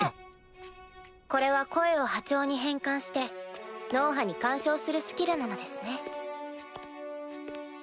これは声を波長に変換して脳波に干渉するスキルなのですね。